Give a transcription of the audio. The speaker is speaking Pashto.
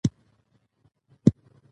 سیاسي زغم ټولنه د داخلي شخړو نه ژغوري